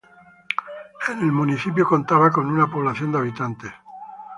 En el municipio contaba con una población de habitantes.